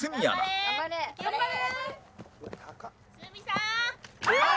頑張れー！